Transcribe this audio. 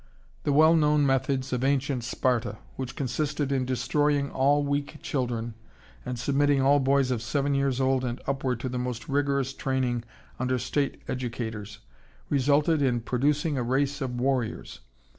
The well known methods of ancient Sparta, which consisted in destroying all weak children and submitting all boys of seven years old and upward to the most rigorous training under state educators, resulted in producing a race of warriors.